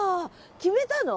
決めたの？